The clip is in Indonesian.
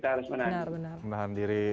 kita harus menahan diri